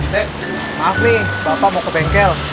teh maaf nih bapak mau ke bengkel